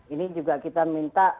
ini juga kita minta